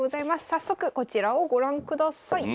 早速こちらをご覧ください。